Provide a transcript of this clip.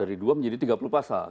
dari dua menjadi tiga puluh pasal